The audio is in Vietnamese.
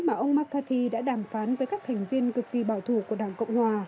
mà ông macarthy đã đàm phán với các thành viên cực kỳ bảo thủ của đảng cộng hòa